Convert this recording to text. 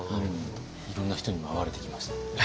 いろんな人にも会われてきました？